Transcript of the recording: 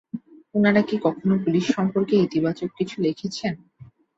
উনারা কী কখনও পুলিশ সম্পর্কে ইতিবাচক কিছু লেখেছেন?